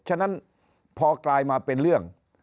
ฉะนั้นพอกลายมาเป็นเรื่อง